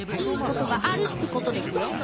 いいことがあるってことですよ。